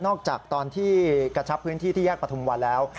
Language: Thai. จากตอนที่กระชับพื้นที่ที่แยกประทุมวันแล้ว